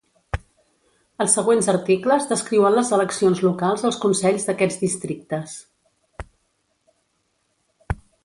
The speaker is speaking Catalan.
Els següents articles descriuen les eleccions locals als consells d'aquests districtes.